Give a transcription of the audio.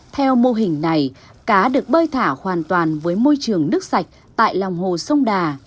theo mô hình này cá được bơi thả hoàn toàn với môi trường nước sạch tại lòng hồ sông đà